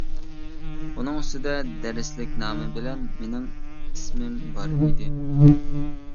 ئۇنىڭ ئۈستىدە دەرسلىك نامى بىلەن مېنىڭ ئىسمىم بار ئىدى.